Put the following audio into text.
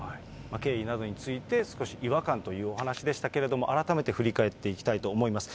経緯などについて、少し違和感というお話でしたけれども、改めて振り返っていきたいと思います。